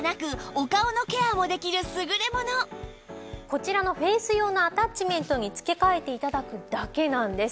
こちらのフェイス用のアタッチメントに付け替えて頂くだけなんです。